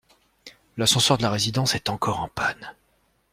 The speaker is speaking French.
L'ascenseur de la résidence est encore en panne.